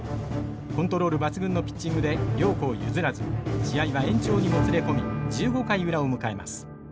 コントロール抜群のピッチングで両校譲らず試合は延長にもつれ込み１５回裏を迎えます。